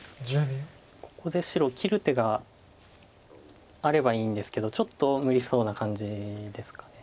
ここで白切る手があればいいんですけどちょっと無理そうな感じですか。